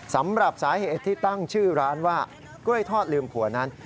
สำหรับสาเหตุที่ตั้งชื่อร้านว่ากล้วยทอดลืมผัวนั้น